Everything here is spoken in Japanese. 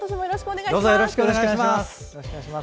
よろしくお願いします。